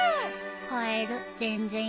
カエル全然いないね。